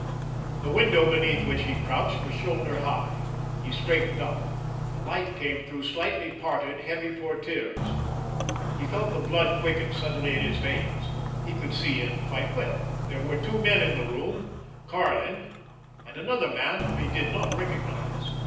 The window beneath which he crouched was shoulder high. He straightened up. The light came through slightly parted, heavy portières. He felt the blood quicken suddenly in his veins. He could see in quite well. There were two men in the room—Karlin, and another man whom he did not recognize.